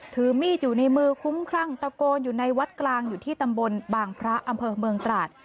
ถือมีดอยู่ในมือคุ้มครั่งตะโกนอยู่ในวัดกลางอยู่ที่ตำบลบางพระอำเภอเมืองตราด